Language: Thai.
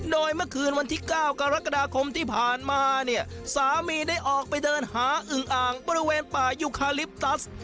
โดยเมื่อคืนวันที่๙กรกฎาคมที่ผ่านมาเนี่ยสามีได้ออกไปเดินหาอึงอ่างบริเวณป่ายุคาลิปตัส